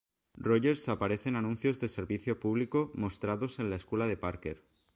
Rogers aparece en anuncios de servicio público mostrados en la escuela de Parker.